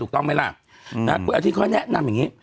ถูกต้องไหมล่ะคุณอาทิตเขาแนะนำอย่างนี้